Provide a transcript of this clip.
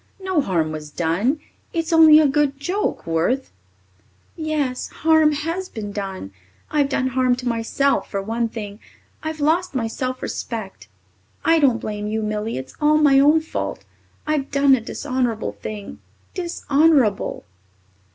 "No harm was done. It's only a good joke, Worth." "Yes, harm has been done. I've done harm to myself, for one thing. I've lost my self respect. I don't blame you, Millie. It's all my own fault. I've done a dishonourable thing, dishonourable."